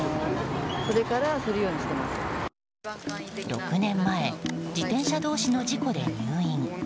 ６年前自転車同士の事故で入院。